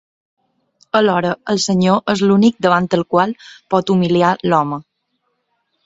Alhora, el Senyor és l'únic davant el qual pot humiliar l'home.